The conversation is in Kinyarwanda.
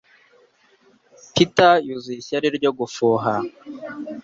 Peter yuzuye ishyari no gufuha